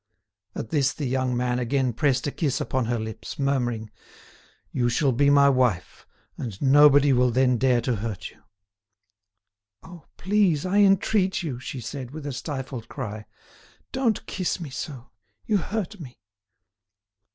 At this the young man again pressed a kiss upon her lips, murmuring: "You shall be my wife, and nobody will then dare to hurt you." "Oh! please, I entreat you!" she said, with a stifled cry; "don't kiss me so. You hurt me."